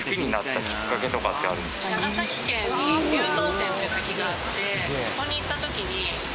長崎県に龍頭泉っていう滝があってそこに行った時に。